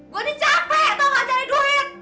gue nih capek tau gak cari duit